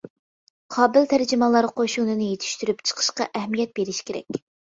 قابىل تەرجىمانلار قوشۇنىنى يېتىشتۈرۈپ چىقىشقا ئەھمىيەت بېرىش كېرەك.